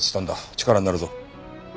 力になるぞ。